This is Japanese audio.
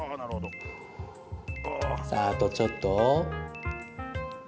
さあ、あとちょっと。